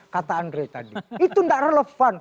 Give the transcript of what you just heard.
kata andre tadi itu tidak relevan